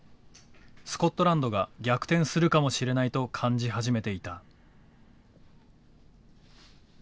スコットランドが逆転するかもしれないと感じ始めていた。